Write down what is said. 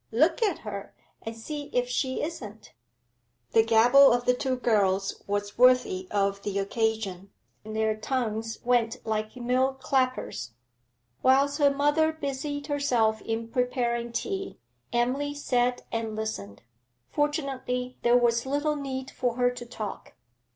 Look at her, and see if she isn't.' The gabble of the two girls was worthy of the occasion their tongues went like mill clappers. Whilst her mother busied herself in preparing tea, Emily sat and listened; fortunately there was little need for her to talk.